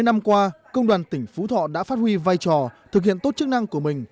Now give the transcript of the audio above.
hai mươi năm qua công đoàn tỉnh phú thọ đã phát huy vai trò thực hiện tốt chức năng của mình